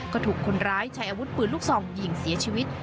ก็ถูกคนร้ายใช้อาวุธปืนลูกซองยิงเสียชีวิต